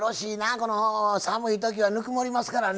この寒い時はぬくもりますからね。